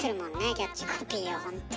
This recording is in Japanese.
キャッチコピーをほんとに。